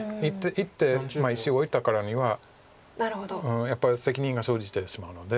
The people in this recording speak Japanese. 一手石を置いたからにはやっぱり責任が生じてしまうので。